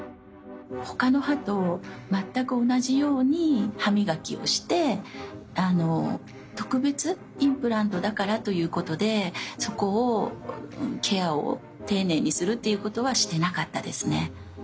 ほかの歯と全く同じように歯磨きをしてあの特別インプラントだからということでそこをケアを丁寧にするということはしてなかったですね。